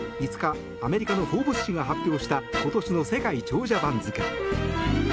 ５日、アメリカの「フォーブス」誌が発表した今年の世界長者番付。